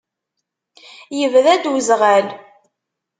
Yebda-d uzɣal.